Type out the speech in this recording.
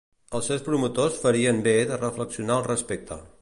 Els seus promotors farien be de reflexionar al respecte.